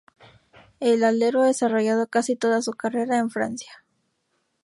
El alero ha desarrollado casi toda su carrera en Francia.